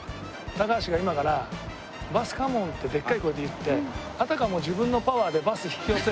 高橋が今から「バスカモーン！」ってでっかい声で言ってあたかも自分のパワーでバス引き寄せるような。